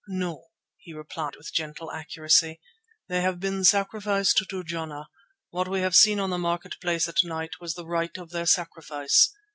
"No," he replied with gentle accuracy. "They have been sacrificed to Jana. What we have seen on the market place at night was the rite of their sacrifice.